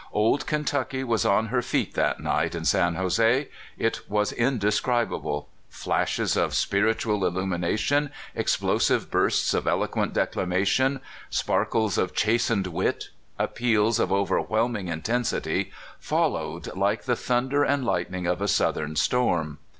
Old Kentucky was on her feet that night in San Jose. It was inde scribable. Flashes of spiritual illumination, ex plosive bursts of eloquent declamation, sparkles of chastened wit, appeals of overwhelming inten BISHOP KAVANAUGH IN CALIFORNIA. 267 sity, followed like the thunder and lightning of a Southern storm.